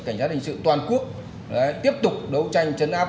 cảnh sát hình sự toàn quốc tiếp tục đấu tranh chấn áp